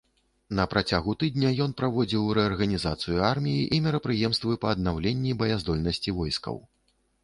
На працягу тыдня ён праводзіў рэарганізацыю арміі і мерапрыемствы па аднаўленні баяздольнасці войскаў.